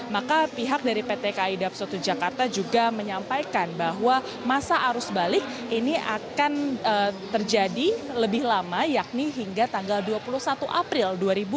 maka pihak dari pt kai dap satu jakarta juga menyampaikan bahwa masa arus balik ini akan terjadi lebih lama yakni hingga tanggal dua puluh satu april dua ribu dua puluh